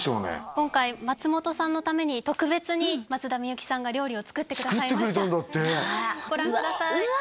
今回松本さんのために特別に松田美由紀さんが料理を作ってくださいました作ってくれたんだってご覧くださいうわ